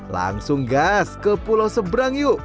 langsung gas ke pulau seberang yuk